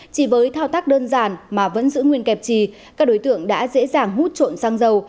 chỉ với thao tác đơn giản mà vẫn giữ nguyên kẹp trì các đối tượng đã dễ dàng hút trộm xăng dầu